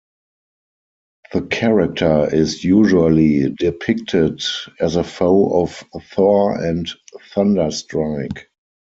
The character is usually depicted as a foe of Thor and Thunderstrike.